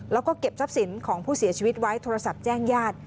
แล้วก็เก็บทรัพย์สินของผู้เสียชีวิตไว้โทรศัพท์แจ้งญาติ